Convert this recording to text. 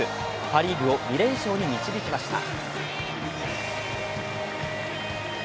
パ・リーグを２連勝に導きました。